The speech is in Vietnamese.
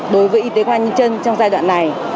đối với y tế công an nhân dân trong giai đoạn này